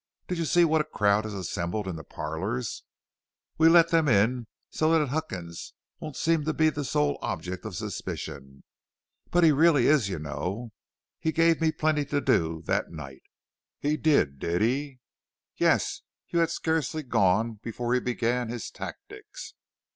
Did you see what a crowd has assembled in the parlors? We let them in so that Huckins won't seem to be the sole object of suspicion; but he really is, you know. He gave me plenty to do that night." "He did, did he?" "Yes; you had scarcely gone before he began his tactics.